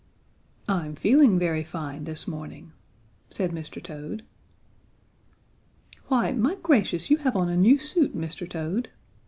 "I'm feeling very fine this morning," said Mr. Toad. "Why, my gracious, you have on a new suit, Mr. Toad!"